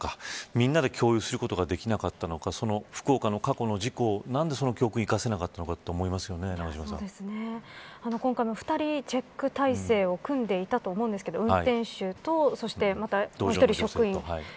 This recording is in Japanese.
みんなで共有することができなかったのか福岡の過去の事故の教訓をいかせなかったのかと今回も２人チェック体制を組んでいたと思うんですが運転手と１人職員。